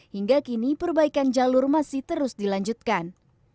hingga kini perbaikan jalur masih terus dilanjutkan